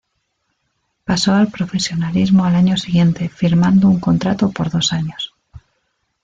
Pasó al profesionalismo al año siguiente, firmando un contrato por dos años.